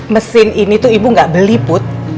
mesin ini tuh ibu nggak beli put